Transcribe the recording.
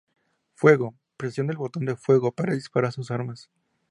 Fuego: Presione el botón de fuego para disparar sus armas.